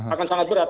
akan sangat berat